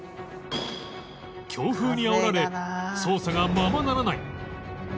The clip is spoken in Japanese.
強風にあおられ操作がままならない